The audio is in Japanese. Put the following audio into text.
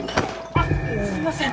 あっすみません！